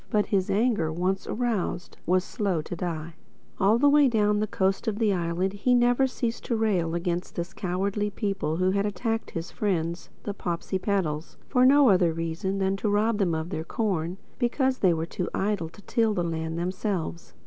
But his anger, once aroused, was slow to die. All the way down the coast of the island he never ceased to rail against this cowardly people who had attacked his friends, the Popsipetels, for no other reason but to rob them of their corn, because they were too idle to till the land themselves.